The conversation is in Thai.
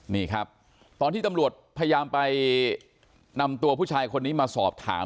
นี่ครับตอนที่ตำรวจพยายามไปนำตัวผู้ชายคนนี้มาสอบถาม